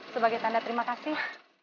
sebagai tanda terima kasih